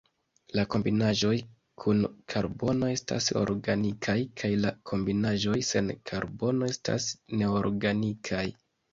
La kombinaĵoj kun karbono estas organikaj, kaj la kombinaĵoj sen karbono estas neorganikaj.